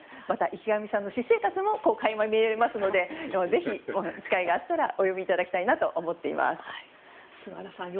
池上さんの私生活も垣間見えますのでぜひ、機会があったらお読みいただきたいなと思っています。